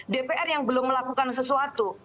dpr yang belum melakukan sesuatu